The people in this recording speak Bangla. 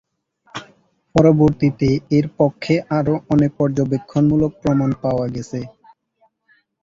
পরবর্তীতে এর পক্ষে আরও অনেক পর্যবেক্ষণমূলক প্রমাণ পাওয়া গেছে।